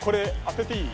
当てて。